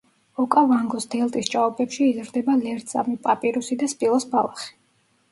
ოკავანგოს დელტის ჭაობებში იზრდება ლერწამი, პაპირუსი და სპილოს ბალახი.